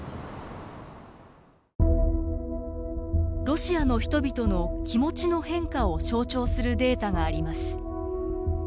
ロシアの人々の気持ちの変化を象徴するデータがあります。